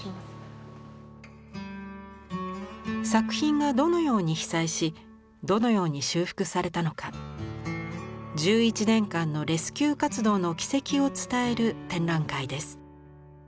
作品がどのように被災しどのように修復されたのか１１年間のレスキュー活動の軌跡を伝える展覧会です。